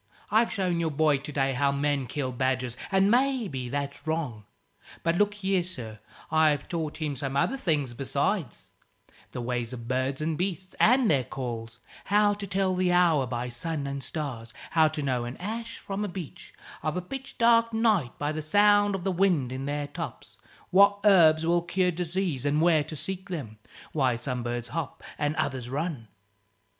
I've shown your boy to day how men kill badgers, and maybe that's wrong. But look here, sir I've taught him some things besides; the ways of birds and beasts, and their calls; how to tell the hour by sun and stars; how to know an ash from a beech, of a pitch dark night, by the sound of the wind in their tops; what herbs will cure disease and where to seek them; why some birds hop and others run.